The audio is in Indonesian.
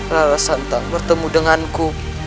lala santang bertemu denganku